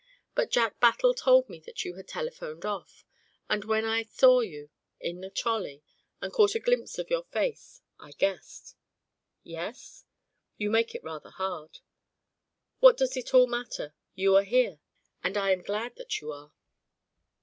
But Jack Battle told me that you had telephoned off and when I saw you in the trolley, and caught a glimpse of your face, I guessed " "Yes?" "You make it rather hard." "What does it all matter? You are here, and I am glad that you are."